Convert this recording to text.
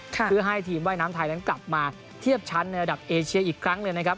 เพื่อให้ทีมว่ายน้ำไทยนั้นกลับมาเทียบชั้นในระดับเอเชียอีกครั้งเลยนะครับ